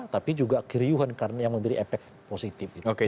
tapi juga kiriuhan karena yang memberi efek positif gitu